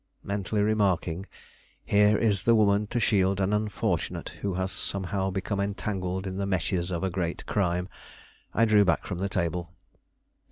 Mentally remarking, here is the woman to shield an unfortunate who has somehow become entangled in the meshes of a great crime, I drew back from the table.